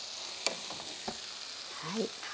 はい。